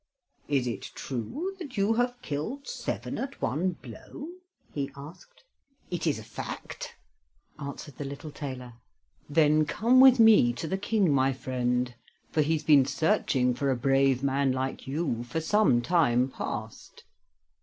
"Is it true that you have killed seven at one blow?" he asked "It is a fact," answered the little tailor. "Then come with me to the King, my friend, for he's been searching for a brave man like you for some time past.